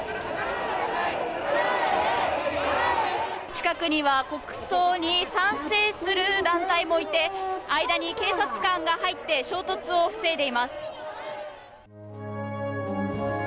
近くには、国葬に賛成する団体もいて、間に警察官が入って衝突を防いでいます。